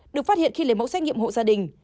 được phát hiện khi lấy mẫu xét nghiệm hộ gia đình